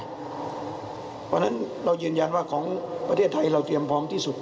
เพราะฉะนั้นเรายืนยันว่าของประเทศไทยเราเตรียมพร้อมที่สุด